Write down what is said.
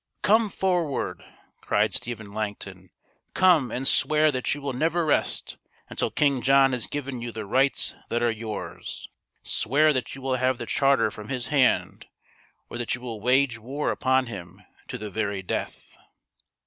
" Come forward !" cried Stephen Langton. " Come, and swear that you will never rest until King John has given you the rights that are yours. Swear that you will have the charter from his hand, or that you will wage war upon him to the very death."